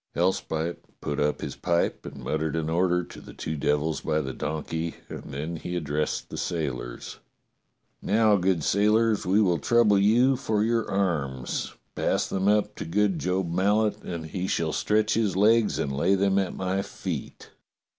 Hellspite put up his pipe and muttered an order to the two devils by the donkey, and then he addressed the sailors: "Now, good sailors, we will trouble you for your arms. Pass them up to good Job Mallet and he shall stretch his legs and lay them at my feet."